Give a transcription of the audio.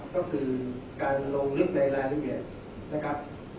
ก็คือการลงลึกในรายละเอียดนะครับ